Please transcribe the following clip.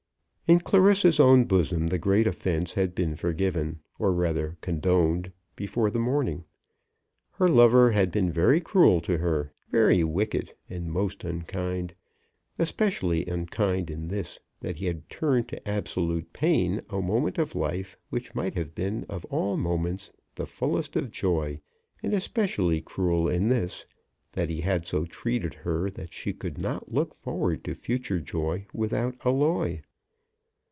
In Clarissa's own bosom the great offence had been forgiven, or rather condoned before the morning. Her lover had been very cruel to her, very wicked, and most unkind; especially unkind in this, that he had turned to absolute pain a moment of life which might have been of all moments the fullest of joy; and especially cruel in this, that he had so treated her that she could not look forward to future joy without alloy.